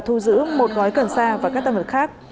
thu giữ một gói cần sa và các tăng vật khác